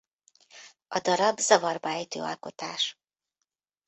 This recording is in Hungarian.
A darab zavarba ejtő alkotás.